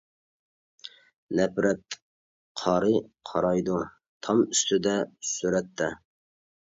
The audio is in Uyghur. نەپرەت قارى قارايدۇ، تام ئۈستىدە سۈرەتتە.